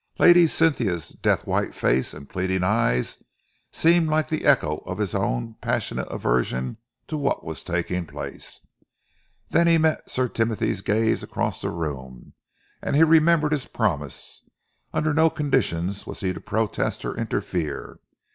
Lady Cynthia's death white face and pleading eyes seemed like the echo of his own passionate aversion to what was taking place. Then he met Sir Timothy's gaze across the room and he remembered his promise. Under no conditions was he to protest or interfere.